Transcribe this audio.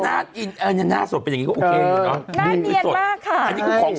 นี่ตายตาย